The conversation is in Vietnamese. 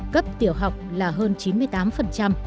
cấp tiểu học là hơn chín mươi tám